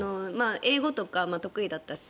英語とか得意だったし